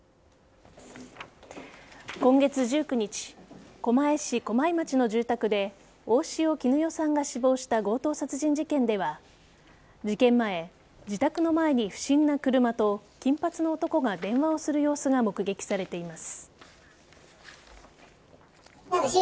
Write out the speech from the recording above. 今月１９日狛江市駒井町の住宅で大塩衣与さんが死亡した強盗殺人事件では事件前、自宅の前に不審な車と金髪の男が電話をする様子が目撃されています。